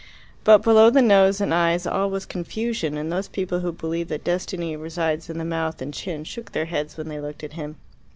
But below the nose and eyes all was confusion, and those people who believe that destiny resides in the mouth and chin shook their heads when they looked at him.